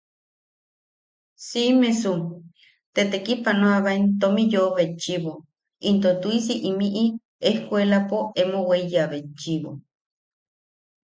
Siʼimesu, te tekipanoabaen tomi yoʼo betchiʼibo into tuʼisi imiʼi ejkuelapo emo weiya betchiʼibo.